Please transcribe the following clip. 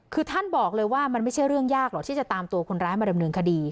คือท่านบอกเลยว่ามันไม่ใช่เรื่องยากหรอกที่จะตามตัวคนร้ายมาดำเนินคดี